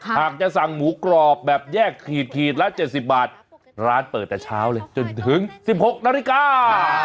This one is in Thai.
หากจะสั่งหมูกรอบแบบแยกขีดขีดละ๗๐บาทร้านเปิดแต่เช้าเลยจนถึง๑๖นาฬิกา